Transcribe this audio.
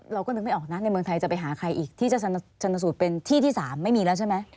เราก็นึกไม่ออกนะในเมืองไทยจะไปหาใครอีกที่จะชนสูตรเป็นที่ที่๓ไม่มีแล้วใช่ไหม